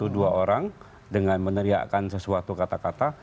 dua orang dengan meneriakan sesuatu kata kata